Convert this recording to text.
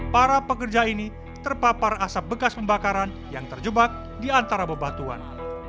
para pekerja ini terpapar asap bekas pembakaran yang terjebak di antara bebatuan